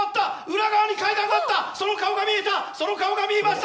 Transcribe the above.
裏側に階段があったその顔が見えたその顔が見えました。